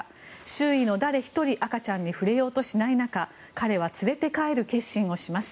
周囲の誰一人赤ちゃんに触れようとしない中彼は連れて帰る決心をします。